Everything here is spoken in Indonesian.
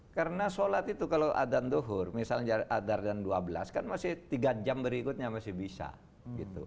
karena sholat itu kalau adan duhur misalnya adan dua belas kan masih tiga jam berikutnya masih bisa gitu